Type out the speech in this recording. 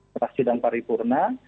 pak sidang paripurna